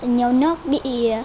nhiều nước bị